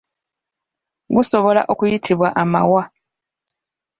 Gusobola okuyitibwa amawa.